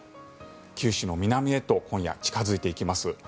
九州の南へと今夜近付いていきます。